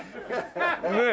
ねえ。